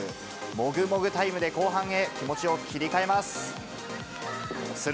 もぐもぐタイムで後半へ、気持ちを切り替えます。